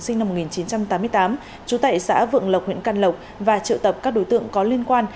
sinh năm một nghìn chín trăm tám mươi tám chú tẩy xã vượng lộc huyện căn lộc và trợ tập các đối tượng có liên quan